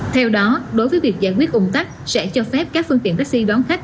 theo đó đối với việc giải quyết ung tác sẽ cho phép các phương tiện taxi đón khách